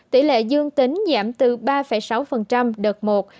tỷ lệ dương tính giảm từ ba sáu đợt một